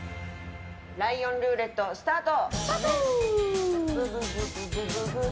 ライオンルーレットスタート！